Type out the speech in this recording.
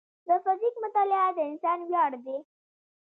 د فزیک مطالعه د انسان ویاړ دی.